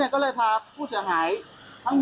ของหลักผมมีอยู่๓๐กว่าคน